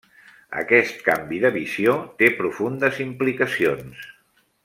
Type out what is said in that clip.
Aquest canvi de visió té profundes implicacions.